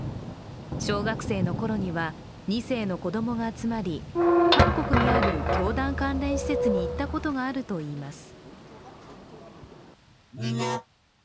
小学生のころには、２世の子供が集まり韓国にある教団関連施設に行ったことがあるといいます。